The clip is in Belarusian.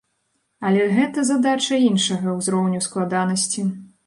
Але гэта задача іншага ўзроўню складанасці.